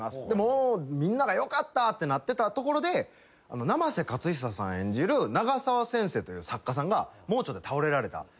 でもうみんながよかったってなってたところで生瀬勝久さん演じる長澤先生という作家さんが盲腸で倒れられた。